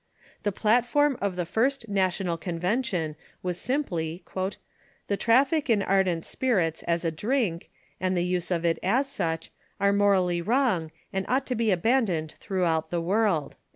The platform of the first National Convention w^as simply :" The traffic in ardent spirits as a drink, and the use of it as such, are morally wrong, and ought to be abandoned throughout the world."